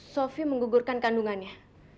sophie menggugurkan kandungannya